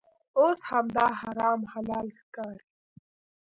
اوس همدا حرام حلال ښکاري.